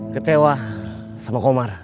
kecewa sama komar